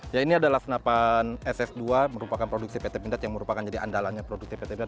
ya ini adalah senapan ss dua merupakan produksi pt pindad yang merupakan jadi andalannya produktif pt pinda